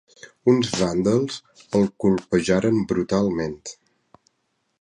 Uns vàndals el copejaren brutalment.